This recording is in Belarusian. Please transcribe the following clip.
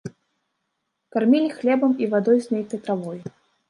Кармілі хлебам і вадой з нейкай травой.